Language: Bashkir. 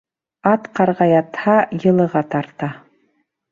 Ат ҡарға ятһа, йылыға тарта.